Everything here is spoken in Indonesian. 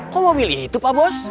kok mobilnya itu pak bos